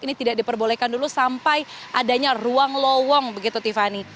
ini tidak diperbolehkan dulu sampai adanya ruang lowong begitu tiffany